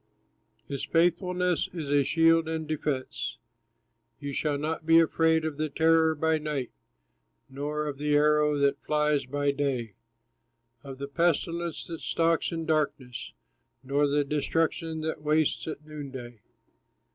His faithfulness is a shield and defense, You shall not be afraid of the terror by night, Nor of the arrow that flies by day, Of the pestilence that stalks in darkness, Nor the destruction that wastes at noonday.